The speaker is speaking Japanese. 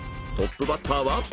トップバッターは。